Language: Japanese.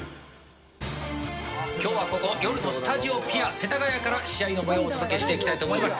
今日はここ夜のスタジオぴあ世田谷から試合の模様をお届けしたいと思います。